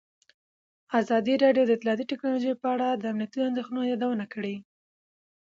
ازادي راډیو د اطلاعاتی تکنالوژي په اړه د امنیتي اندېښنو یادونه کړې.